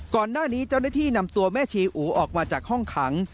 ก่อนหน้านี้เจ้าหน้าที่นำตัวแม่ชีอูออกมาจากห้องขัง